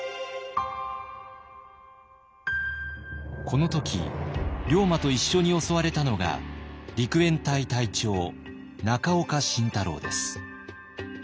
この時龍馬と一緒に襲われたのが陸援隊隊長中岡慎太郎です。